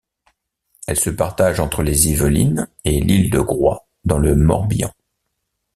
Elle se partage entre les Yvelines et l'île de Groix dans le Morbihan.